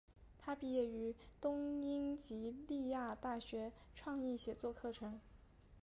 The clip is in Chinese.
她毕业于东英吉利亚大学创意写作课程。